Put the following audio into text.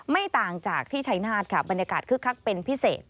ไม่ต่างจากที่ชัยนาธค่ะบรรยากาศคึกคักเป็นพิเศษ